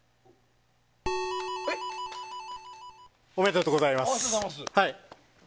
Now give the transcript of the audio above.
おめでとうございます。